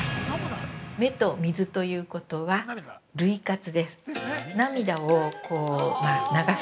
◆目と水ということは、涙活です。